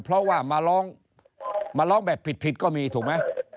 เพราะว่ามาร้องมาร้องแบบผิดก็มีถูกไหม